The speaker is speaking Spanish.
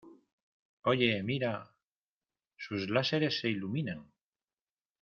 ¡ Oye, mira! Sus láseres se iluminan.